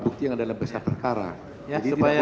bukti yang adalah besar perkara ya supaya